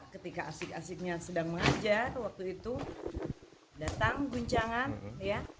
ketika asik asiknya sedang mengajar waktu itu datang guncangan ya